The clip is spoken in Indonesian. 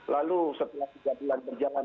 lalu setelah tiga bulan berjalan